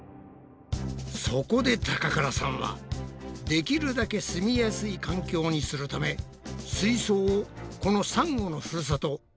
そこで高倉さんはできるだけ住みやすい環境にするため水槽をこのサンゴのふるさと